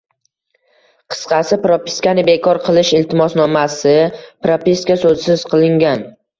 Qisqasi, propiskani bekor qilish iltimosnomasi "propiska" so'zisiz qilingan